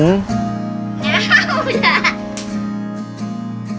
ย้าวแยะ